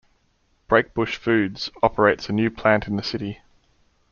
Brakebush Foods operates a new plant in the city.